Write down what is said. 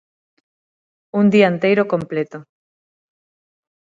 Un dianteiro completo.